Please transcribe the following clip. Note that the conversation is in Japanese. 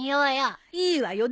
いいわよ。